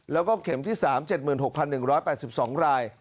แล้วก็เข็มที่๓๗๖๑๘๒ราย